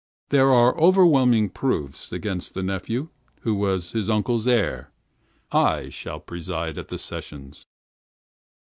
There are overwhelming proofs against the nephew, who was his uncle's heir. I shall preside at the sessions.